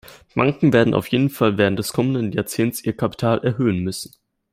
Banken werden auf jeden Fall während des kommenden Jahrzehnts ihr Kapital erhöhen müssen.